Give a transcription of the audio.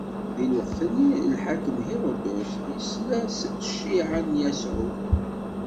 Di lweqt-nni, lḥakem Hiṛudus isla s cciɛa n Yasuɛ.